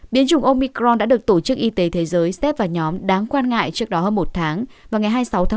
biến chủng omicron đã được tổ chức y tế thế giới xét vào nhóm đáng quan ngại trước đó hơn một tháng vào ngày hai mươi sáu một mươi một hai nghìn hai mươi một